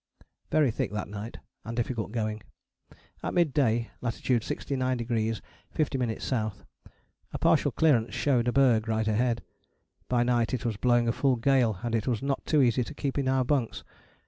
" Very thick that night, and difficult going. At mid day (lat. 69° 50´ S.) a partial clearance showed a berg right ahead. By night it was blowing a full gale, and it was not too easy to keep in our bunks.